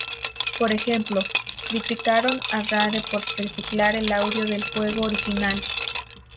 Por ejemplo, criticaron a Rare por reciclar el audio del juego original.